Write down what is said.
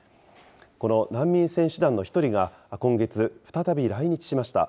この難民選手団の１人が、今月、再び来日しました。